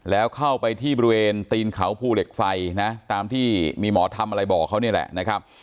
แล้วเข้าไปที่บริเวณตีนเขาภูเหล็กไฟนะตามที่มีหมอทำอะไรบอกเขานี่แหละนะครับ